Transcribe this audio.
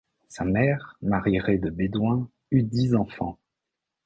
Sa mère, Marie Rey de Bédoin, eut dix enfants.